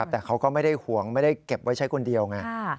แต่เขาก็ไม่ได้ห่วงไม่ได้เก็บไว้ใช้คนเดียวไง